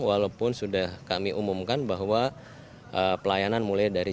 walaupun sudah kami umumkan bahwa pelayanan mulai dari